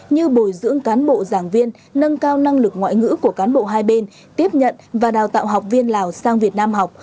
như bồi dưỡng cán bộ giảng viên nâng cao năng lực ngoại ngữ của cán bộ hai bên tiếp nhận và đào tạo học viên lào sang việt nam học